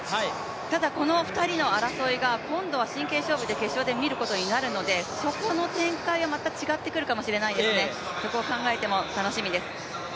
ただ、この２人の争いが今度は真剣勝負の決勝で見ることになるのでそこの展開はまた違ってくるかもしれないですね、そこを考えても楽しみです。